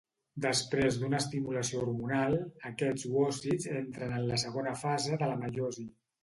Després d'una estimulació hormonal, aquests oòcits entren en la segona fase de la meiosi.